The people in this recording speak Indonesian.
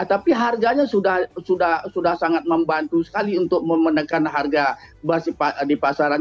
tapi harganya sudah sangat membantu sekali untuk memenekkan harga di pasaran